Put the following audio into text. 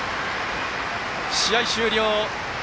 試合終了。